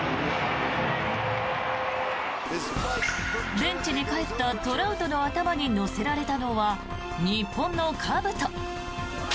ベンチに帰ったトラウトの頭に乗せられたのは日本のかぶと。